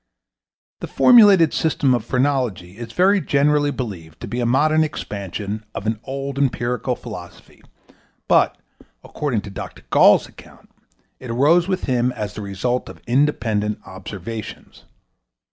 The formulated system of phrenology is very generally believed to be a modern expansion of an old empirical philosophy, but, according to Dr. Gall's account, it arose with him as the result of independent observations.